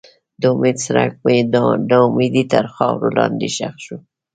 د امید څرک مې د ناامیدۍ تر خاورو لاندې ښخ شو.